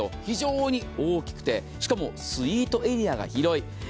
非常に大きくてしかもスイートエリアが広い。